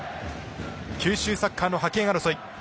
九州サッカーの覇権争い。